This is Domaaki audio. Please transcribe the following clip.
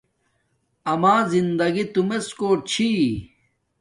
اما زندگی تومڎ کوٹ چھی